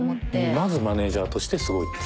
まずマネジャーとしてすごいっていう。